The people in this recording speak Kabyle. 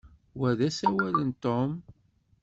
Wa d asawal n Tom.